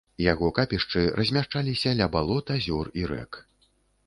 Яго капішчы размяшчаліся ля балот, азёр і рэк.